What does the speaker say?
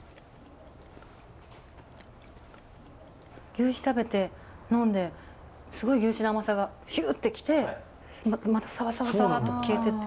牛脂食べて呑んですごい牛脂の甘さがヒュッて来てまたさわさわさわと消えてって。